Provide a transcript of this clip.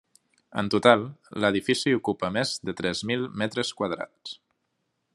En total, l'edifici ocupa més de tres mil metres quadrats.